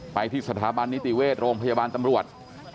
ที่สถาบันนิติเวชโรงพยาบาลตำรวจ